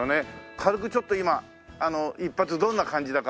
軽くちょっと今一発どんな感じだか。